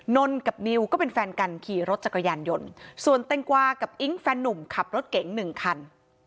นนกับนิวก็เป็นแฟนกันขี่รถจักรยานยนต์ส่วนแตงกวากับอิ๊งแฟนนุ่มขับรถเก๋งหนึ่งคัน